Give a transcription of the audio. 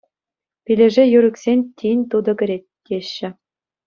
Пилеше юр ӳксен тин тутӑ кӗрет, теҫҫӗ.